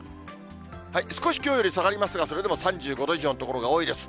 少しきょうより下がりますが、それでも３５度以上の所が多いです。